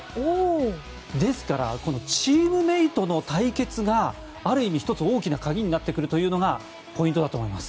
ですから、チームメートの対決がある意味、１つ大きな鍵になってくるというのがポイントだと思います。